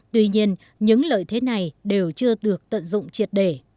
tuy nhiên những lợi thế này đều chưa được tận dụng triệt để